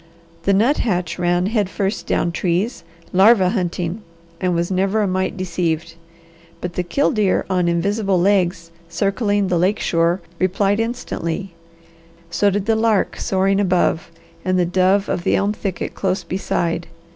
The nut hatch ran head first down trees, larvae hunting, and was never a mite deceived. But the killdeer on invisible legs, circling the lake shore, replied instantly; so did the lark soaring above, and the dove of the elm thicket close beside.